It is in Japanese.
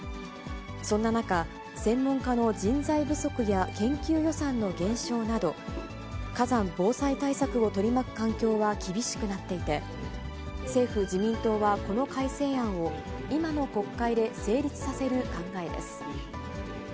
そんな中、専門家の人材不足や研究予算の減少など、火山防災対策を取り巻く環境は厳しくなっていて、政府・自民党は、この改正案を、今の国会で成立させる考えです。